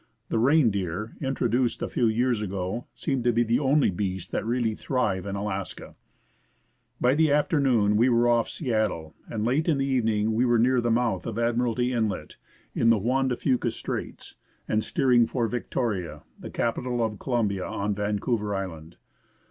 The reindeer, introduced a few years ago, seem to be the only beasts that really thrive in Alaska. By the afternoon we were off Seattle, and late in the evening QUEEN CHARLOTTE SOUND. were near the mouth of Admiralty Inlet, in the Juan de Fuca Straits, and steering for Victoria, the capital of Columbia, on Vancouver Island.